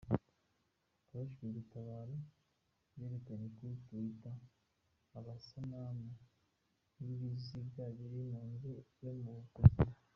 Abajejwe guttabara berekanye kuri tweeter amasanamu y'ibiziga biri mu nzu yo mu kuzimu.